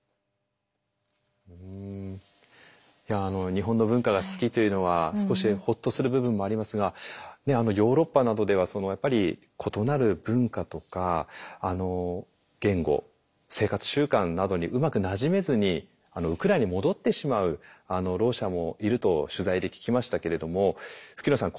日本の文化が好きというのは少しほっとする部分もありますがヨーロッパなどではやっぱり異なる文化とか言語生活習慣などにうまくなじめずにウクライナに戻ってしまうろう者もいると取材で聞きましたけれども吹野さん